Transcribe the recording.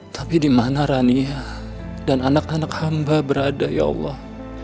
tapi di mana rania dan anak anak hamba berada ya allah